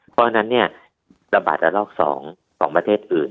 เพราะฉะนั้นเนี่ยระบาดระลอก๒ของประเทศอื่น